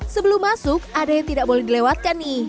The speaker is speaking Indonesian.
sebelum masuk ada yang tidak boleh dilewatkan nih